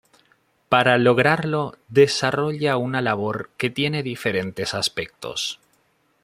Para lograrlo, desarrolla una labor que tiene diferentes aspectos.